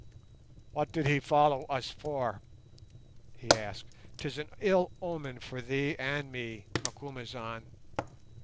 "What did he follow us for?" he asked. "'Tis an ill omen for thee and me, Macumazahn."